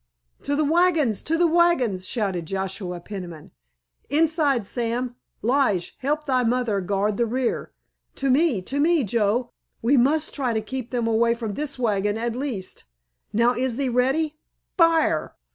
"To the wagons, to the wagons!" shouted Joshua Peniman. "Inside, Sam! Lige, help thy mother guard the rear! To me, to me, Joe! We must try to keep them away from this wagon at least! Now, is thee ready? _Fire!